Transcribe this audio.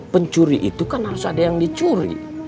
pencuri itu kan harus ada yang dicuri